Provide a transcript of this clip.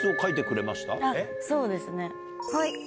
そうですね。